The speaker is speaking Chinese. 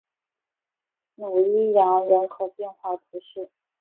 努伊扬人口变化图示